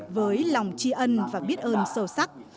với lòng tri ân và biết ơn sâu sắc